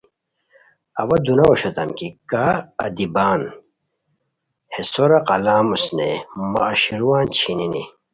اوا دوناؤ اوشوتام کی کا ادیبان ہے سورا قلم اوسنئے مہ اشروان چھینینی